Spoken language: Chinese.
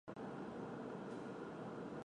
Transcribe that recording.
奖项会在决赛日前的夜祭作颁奖。